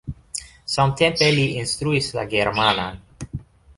Samtempe li instruis la germanan.